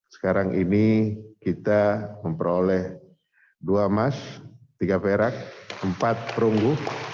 sekarang ini kita memperoleh dua emas tiga perak empat perunggu